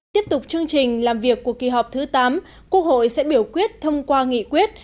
tiếp tục chương trình làm việc của kỳ họp thứ tám quốc hội sẽ biểu quyết thông qua nghị quyết